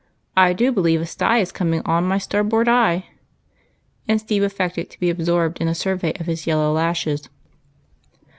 I do believe a sty is coming on my star board eye," and Steve affected to be absorbed in a survey of his yellow lashes.